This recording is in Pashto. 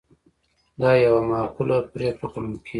دا یوه معقوله پرېکړه ګڼل کیږي.